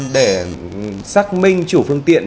để xác minh chủ phương tiện